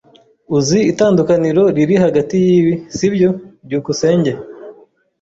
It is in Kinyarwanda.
Uzi itandukaniro riri hagati yibi, sibyo? byukusenge